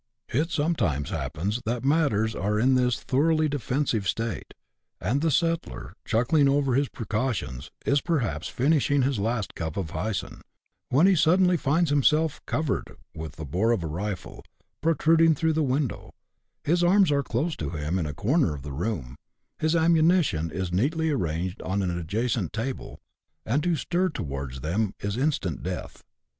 It sometimes happens that matters are in this thoroughly defensive state, and the settler, chuckling over his precautions, is perhaps finishing liis last cup of hyson, when he suddenly finds himself " covered " with the bore of a rifle, protruding through the window ; his arms are close to him in a corner of the room ; his ammunition is neatly arranged on an adjacent table, and to stir towards them is instant death.